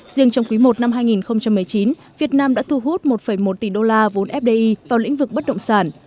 riêng trong quý i năm hai nghìn một mươi chín việt nam đã thu hút một một tỷ đô la vốn fdi vào lĩnh vực bất động sản